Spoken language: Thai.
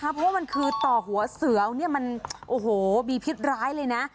เพราะว่ามันคือต่อหัวเสือเนี่ยมันโอ้โหมีพิษร้ายเลยนะ